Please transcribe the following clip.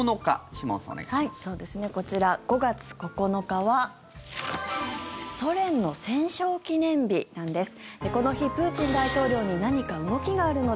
こちら、５月９日はソ連の戦勝記念日なんです。